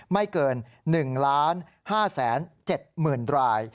ไม่เกิน๑๕๗๐๐๐ราย